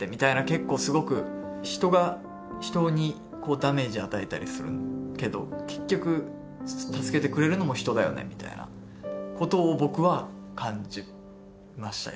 結構すごく人が人にこうダメージ与えたりするけど結局助けてくれるのも人だよねみたいなことを僕は感じました